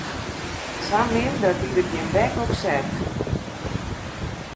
Sa min dat dy der gjin bek op set.